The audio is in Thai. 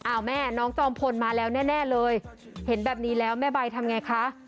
แม่น้องจอมพลมาแล้วแน่เลยเห็นแบบนี้แล้วแม่ใบทำไงคะ